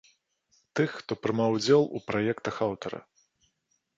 Тых, хто прымаў удзел у праектах аўтара.